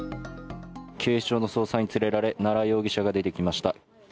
警視庁の捜査員に連れられ奈良容疑者が出てきました。